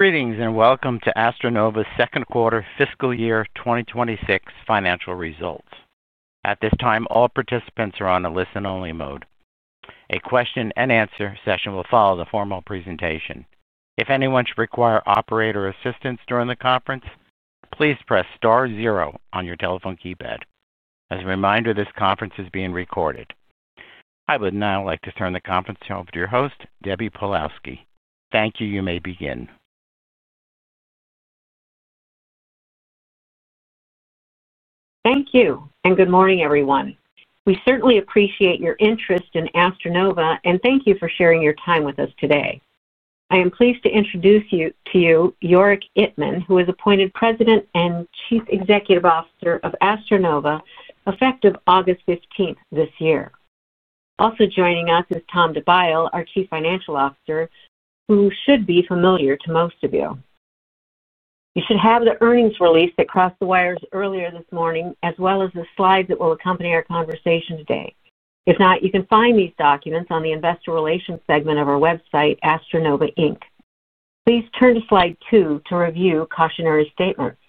Greetings and welcome to AstroNova's second quarter fiscal year 2026 financial results. At this time, all participants are on a listen-only mode. A question and answer session will follow the formal presentation. If anyone should require operator assistance during the conference, please press star zero on your telephone keypad. As a reminder, this conference is being recorded. I would now like to turn the conference to your host, Debbie Polowski. Thank you. You may begin. Thank you, and good morning, everyone. We certainly appreciate your interest in AstroNova, and thank you for sharing your time with us today. I am pleased to introduce to you Yorick Eitman, who is appointed President and Chief Executive Officer of AstroNova, effective August 15 this year. Also joining us is Tom DeByle, our Chief Financial Officer, who should be familiar to most of you. You should have the earnings release that crossed the wires earlier this morning, as well as the slides that will accompany our conversation today. If not, you can find these documents on the Investor Relations segment of our website, AstroNova, Inc. Please turn to slide two to review cautionary statements.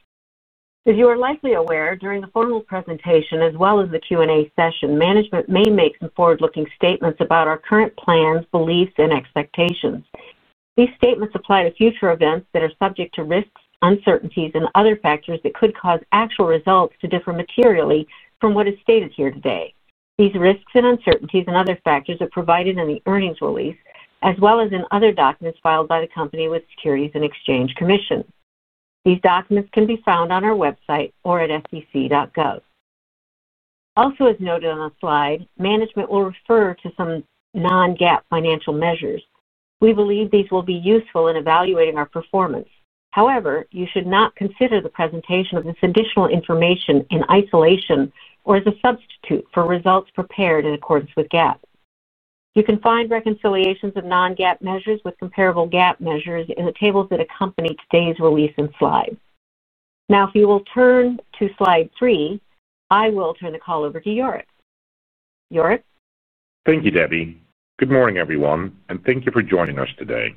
As you are likely aware, during the formal presentation, as well as the Q&A session, management may make some forward-looking statements about our current plans, beliefs, and expectations. These statements apply to future events that are subject to risks, uncertainties, and other factors that could cause actual results to differ materially from what is stated here today. These risks, uncertainties, and other factors are provided in the earnings release, as well as in other documents filed by the company with the Securities and Exchange Commission. These documents can be found on our website or at sec.gov. Also, as noted on the slide, management will refer to some non-GAAP financial measures. We believe these will be useful in evaluating our performance. However, you should not consider the presentation of this additional information in isolation or as a substitute for results prepared in accordance with GAAP. You can find reconciliations of non-GAAP measures with comparable GAAP measures in the tables that accompany today's release and slide. Now, if you will turn to slide three, I will turn the call over to Yorick. Yorick? Thank you, Debbie. Good morning, everyone, and thank you for joining us today.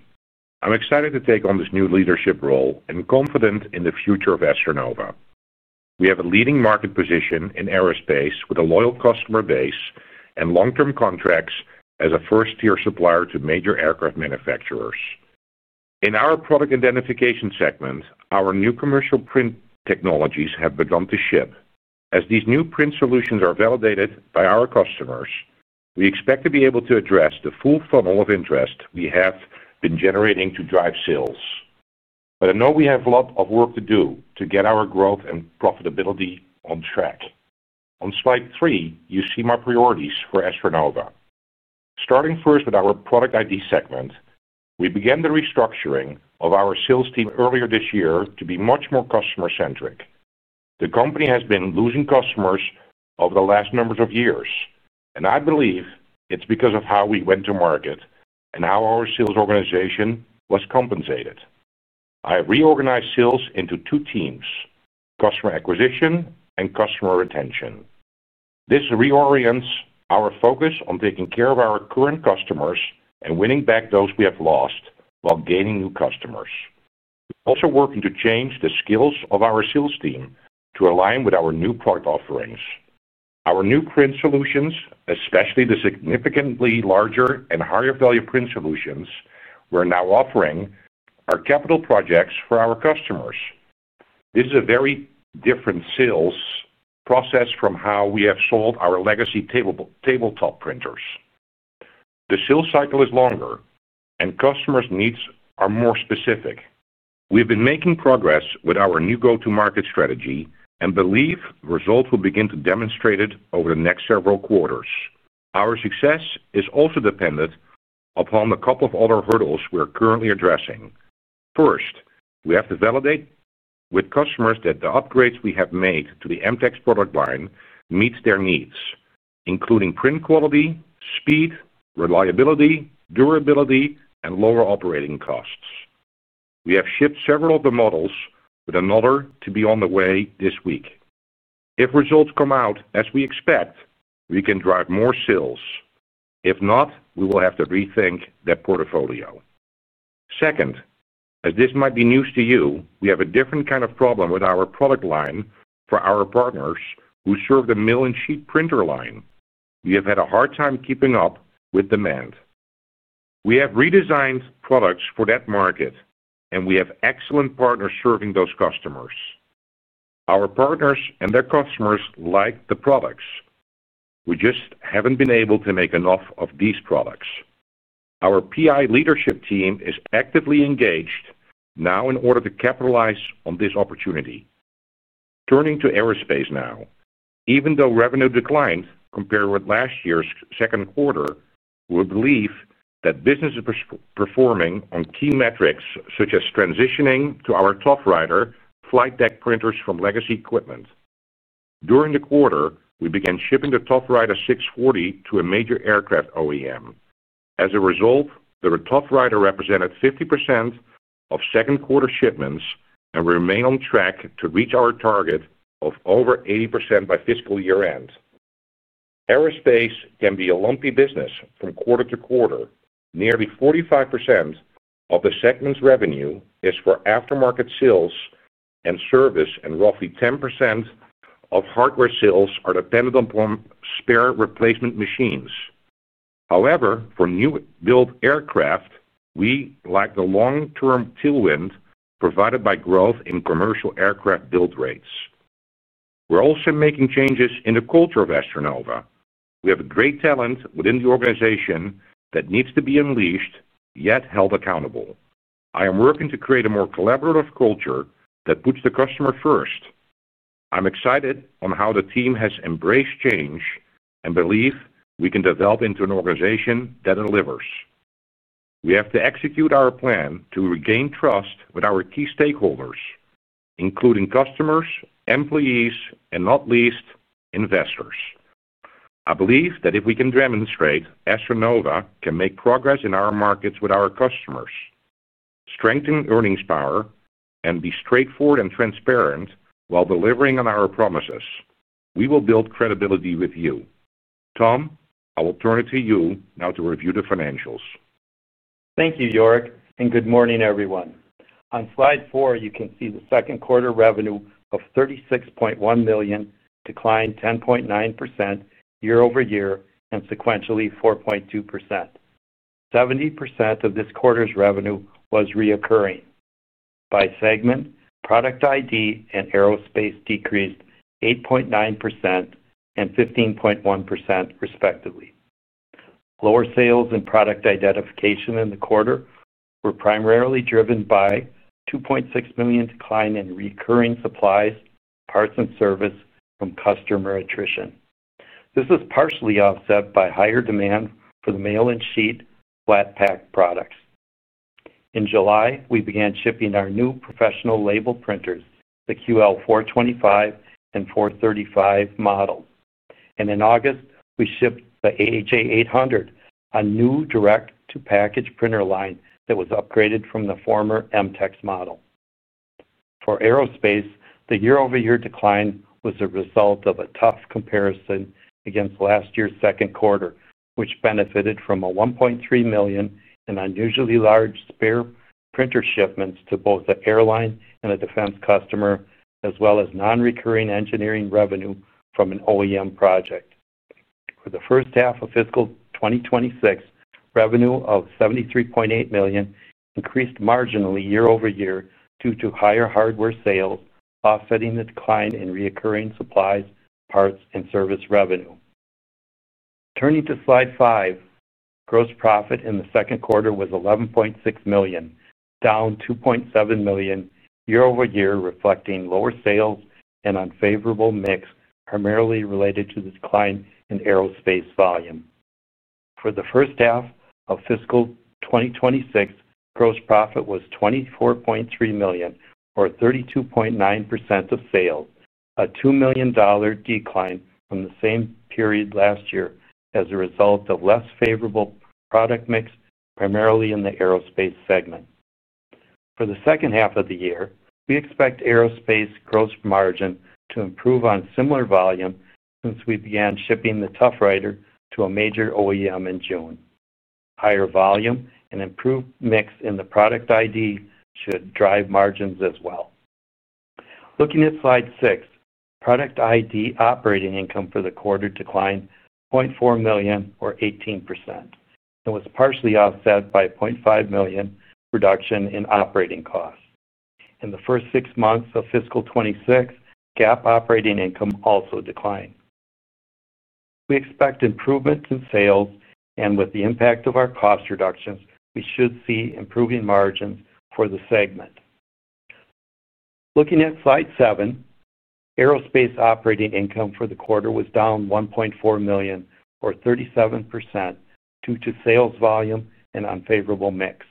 I'm excited to take on this new leadership role and confident in the future of AstroNova. We have a leading market position in aerospace with a loyal customer base and long-term contracts as a first-tier supplier to major aircraft manufacturers. In our Product Identification segment, our new commercial print technologies have begun to ship. As these new print solutions are validated by our customers, we expect to be able to address the full funnel of interest we have been generating to drive sales. I know we have a lot of work to do to get our growth and profitability on track. On slide three, you see my priorities for AstroNova. Starting first with our Product Identification segment, we began the restructuring of our sales team earlier this year to be much more customer-centric. The company has been losing customers over the last number of years, and I believe it's because of how we went to market and how our sales organization was compensated. I reorganized sales into two teams: customer acquisition and customer retention. This reorients our focus on taking care of our current customers and winning back those we have lost while gaining new customers. We are also working to change the skills of our sales team to align with our new product offerings. Our new print solutions, especially the significantly larger and higher-value print solutions we're now offering, are capital projects for our customers. This is a very different sales process from how we have sold our legacy tabletop printers. The sales cycle is longer, and customers' needs are more specific. We've been making progress with our new go-to-market strategy and believe results will begin to demonstrate it over the next several quarters. Our success is also dependent upon a couple of other hurdles we're currently addressing. First, we have to validate with customers that the upgrades we have made to the MTEX product line meet their needs, including print quality, speed, reliability, durability, and lower operating costs. We have shipped several of the models, with another to be on the way this week. If results come out as we expect, we can drive more sales. If not, we will have to rethink that portfolio. Second, as this might be news to you, we have a different kind of problem with our product line for our partners who serve the mill and sheet printer line. We have had a hard time keeping up with demand. We have redesigned products for that market, and we have excellent partners serving those customers. Our partners and their customers like the products. We just haven't been able to make enough of these products. Our PI leadership team is actively engaged now in order to capitalize on this opportunity. Turning to aerospace now, even though revenue declined compared with last year's second quarter, we believe that business is performing on key metrics such as transitioning to our TOUGHWRITER flight deck printers from legacy equipment. During the quarter, we began shipping the TOUGHWRITER 640 to a major aircraft OEM. As a result, the TOUGHWRITER represented 50% of second quarter shipments and remained on track to reach our target of over 80% by fiscal year end. Aerospace can be a lumpy business from quarter to quarter. Nearly 45% of the segment's revenue is for aftermarket sales and service, and roughly 10% of hardware sales are dependent upon spare replacement machines. However, for new build aircraft, we lack the long-term tailwind provided by growth in commercial aircraft build rates. We're also making changes in the culture of AstroNova. We have great talent within the organization that needs to be unleashed yet held accountable. I am working to create a more collaborative culture that puts the customer first. I'm excited on how the team has embraced change and believe we can develop into an organization that delivers. We have to execute our plan to regain trust with our key stakeholders, including customers, employees, and not least, investors. I believe that if we can demonstrate AstroNova can make progress in our markets with our customers, strengthen earnings power, and be straightforward and transparent while delivering on our promises, we will build credibility with you. Tom, I will turn it to you now to review the financials. Thank you, Yorick, and good morning, everyone. On slide four, you can see the second quarter revenue of $36.1 million declined 10.9% year over year and sequentially 4.2%. 70% of this quarter's revenue was recurring. By segment, Product Identification and Aerospace decreased 8.9% and 15.1% respectively. Lower sales in Product Identification in the quarter were primarily driven by a $2.6 million decline in recurring supplies, parts, and service from customer attrition. This is partially offset by higher demand for the mail and sheet flat-pack products. In July, we began shipping our new professional label printers, the QL425 and QL435 model. In August, we shipped the AJ800, a new direct-to-package printer line that was upgraded from the former MTEX model. For Aerospace, the year-over-year decline was a result of a tough comparison against last year's second quarter, which benefited from $1.3 million in unusually large spare printer shipments to both the airline and the defense customer, as well as non-recurring engineering revenue from an OEM project. For the first half of fiscal 2026, revenue of $73.8 million increased marginally year over year due to higher hardware sales, offsetting the decline in recurring supplies, parts, and service revenue. Turning to slide five, gross profit in the second quarter was $11.6 million, down $2.7 million year over year, reflecting lower sales and unfavorable mix primarily related to the decline in Aerospace volume. For the first half of fiscal 2026, gross profit was $24.3 million, or 32.9% of sales, a $2 million decline from the same period last year as a result of less favorable product mix, primarily in the Aerospace segment. For the second half of the year, we expect Aerospace gross margin to improve on similar volume since we began shipping the TOUGHWRITER 640 to a major OEM in June. Higher volume and improved mix in Product Identification should drive margins as well. Looking at slide six, Product Identification operating income for the quarter declined $0.4 million, or 18%. It was partially offset by a $0.5 million reduction in operating costs. In the first six months of fiscal 2026, GAAP operating income also declined. We expect improvements in sales, and with the impact of our cost reductions, we should see improving margins for the segment. Looking at slide seven, Aerospace operating income for the quarter was down $1.4 million, or 37%, due to sales volume and unfavorable mix.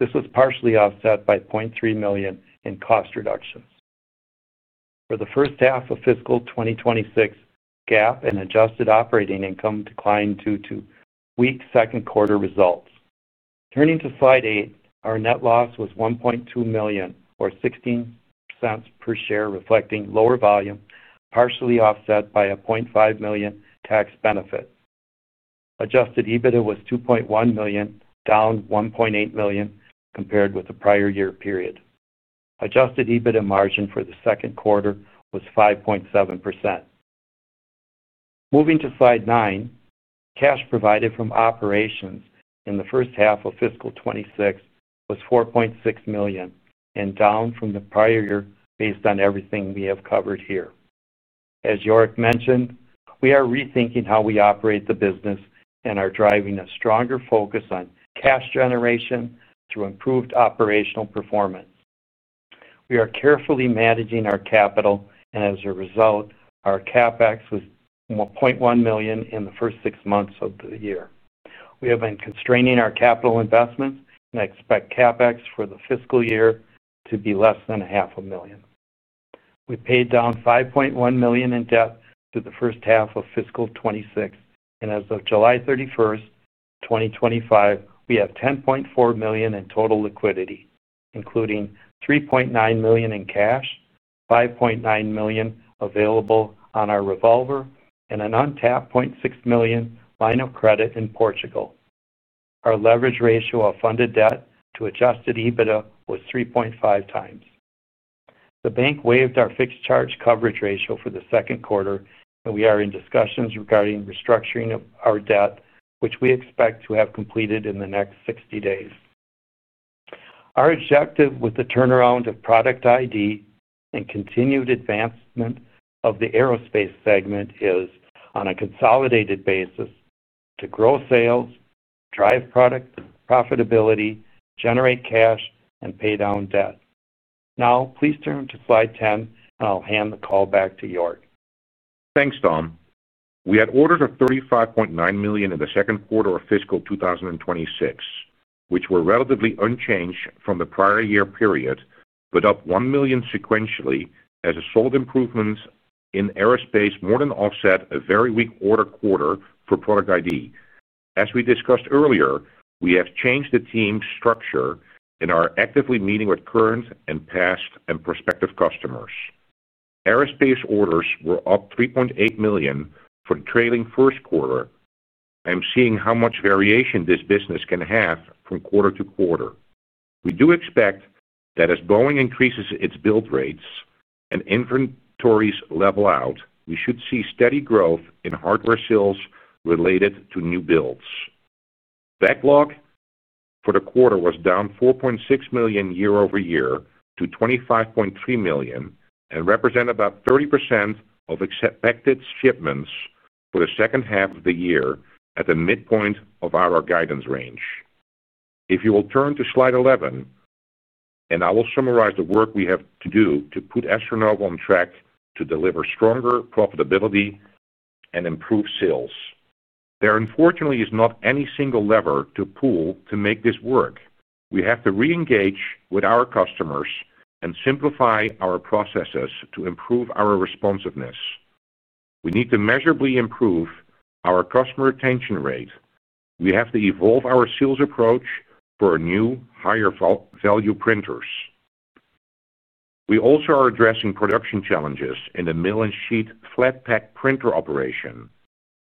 This was partially offset by $0.3 million in cost reductions. For the first half of fiscal 2026, GAAP and adjusted operating income declined due to weak second quarter results. Turning to slide eight, our net loss was $1.2 million, or $0.16 per share, reflecting lower volume, partially offset by a $0.5 million tax benefit. Adjusted EBITDA was $2.1 million, down $1.8 million compared with the prior year period. Adjusted EBITDA margin for the second quarter was 5.7%. Moving to slide nine, cash provided from operations in the first half of fiscal 2026 was $4.6 million and down from the prior year based on everything we have covered here. As Yorick mentioned, we are rethinking how we operate the business and are driving a stronger focus on cash generation through improved operational performance. We are carefully managing our capital, and as a result, our CapEx was $0.1 million in the first six months of the year. We have been constraining our capital investments and expect CapEx for the fiscal year to be less than half a million. We paid down $5.1 million in debt through the first half of fiscal 2026, and as of July 31, 2025, we have $10.4 million in total liquidity, including $3.9 million in cash, $5.9 million available on our revolver, and an untapped $0.6 million line of credit in Portugal. Our leverage ratio of funded debt to adjusted EBITDA was 3.5 times. The bank waived our fixed charge coverage ratio for the second quarter, and we are in discussions regarding restructuring of our debt, which we expect to have completed in the next 60 days. Our objective with the turnaround of Product Identification and continued advancement of the Aerospace segment is, on a consolidated basis, to grow sales, drive product profitability, generate cash, and pay down debt. Now, please turn to slide 10, and I'll hand the call back to Yorick. Thanks, Tom. We had orders of $35.9 million in the second quarter of fiscal 2026, which were relatively unchanged from the prior year period, but up $1 million sequentially as solid improvements in aerospace more than offset a very weak order quarter for Product ID. As we discussed earlier, we have changed the team's structure and are actively meeting with current and past and prospective customers. Aerospace orders were up $3.8 million for the trailing first quarter. I'm seeing how much variation this business can have from quarter to quarter. We do expect that as Boeing increases its build rates and inventories level out, we should see steady growth in hardware sales related to new builds. Backlog for the quarter was down $4.6 million year over year to $25.3 million and represented about 30% of expected shipments for the second half of the year at the midpoint of our guidance range. If you will turn to slide 11, I will summarize the work we have to do to put AstroNova on track to deliver stronger profitability and improve sales. There unfortunately is not any single lever to pull to make this work. We have to re-engage with our customers and simplify our processes to improve our responsiveness. We need to measurably improve our customer retention rate. We have to evolve our sales approach for new, higher-value printers. We also are addressing production challenges in the mill and sheet flat-pack printer operation.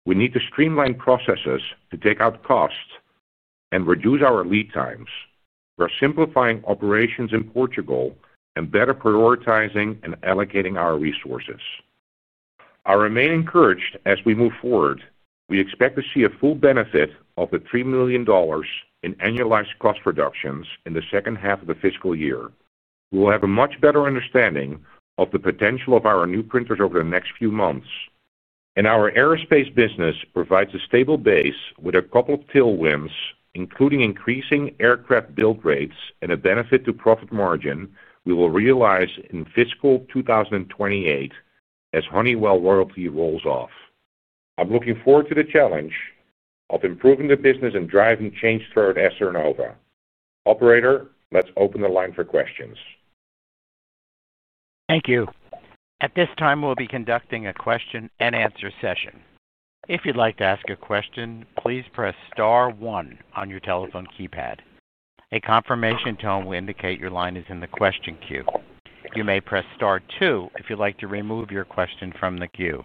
We need to streamline processes to take out costs and reduce our lead times. We're simplifying operations in Portugal and better prioritizing and allocating our resources. I remain encouraged as we move forward. We expect to see a full benefit of the $3 million in annualized cost reductions in the second half of the fiscal year. We'll have a much better understanding of the potential of our new printers over the next few months. Our aerospace business provides a stable base with a couple of tailwinds, including increasing aircraft build rates and a benefit to profit margin we will realize in fiscal 2028 as Honeywell royalty rolls off. I'm looking forward to the challenge of improving the business and driving change toward AstroNova. Operator, let's open the line for questions. Thank you. At this time, we'll be conducting a question and answer session. If you'd like to ask a question, please press star one on your telephone keypad. A confirmation tone will indicate your line is in the question queue. You may press star two if you'd like to remove your question from the queue.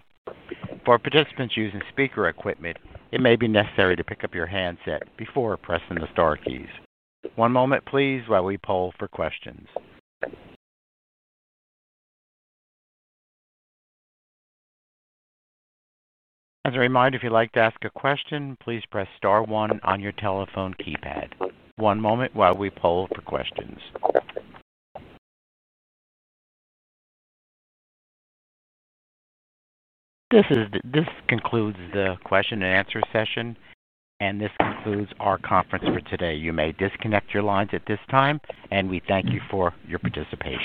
For participants using speaker equipment, it may be necessary to pick up your handset before pressing the star keys. One moment, please, while we poll for questions. As a reminder, if you'd like to ask a question, please press star one on your telephone keypad. One moment while we poll for questions. This concludes the question and answer session, and this concludes our conference for today. You may disconnect your lines at this time, and we thank you for your participation.